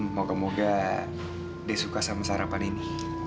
moga moga dia suka sama sarapan ini